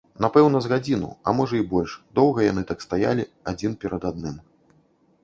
Напэўна, з гадзіну, а можа і больш, доўга яны так стаялі адзін перад адным.